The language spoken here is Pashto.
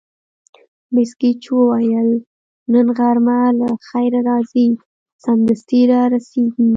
مس ګېج وویل: نن غرمه له خیره راځي، سمدستي را رسېږي.